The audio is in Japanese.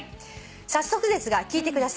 早速ですが聞いてください」